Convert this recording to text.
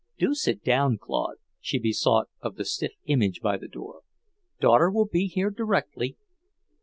"Do sit down, Claude," she besought of the stiff image by the door. "Daughter will be here directly."